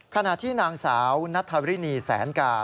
ขณะที่นางสาวนัทธรินีแสนกา